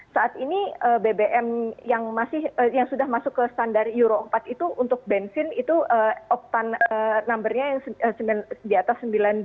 saat ini bbm yang sudah masuk ke standar euro empat itu untuk bensin itu oktan numbernya yang di atas sembilan puluh